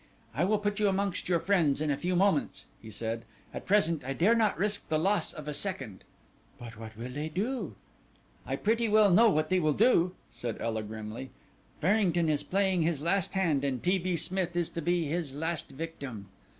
"I will put you amongst your friends in a few moments," he said; "at present I dare not risk the loss of a second." "But what will they do?" "I pretty well know what they will do," said Ela grimly. "Farrington is playing his last hand, and T. B. Smith is to be his last victim."